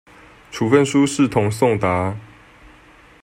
處分書視同送達